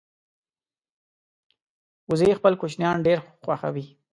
وزې خپل کوچنیان ډېر خوښوي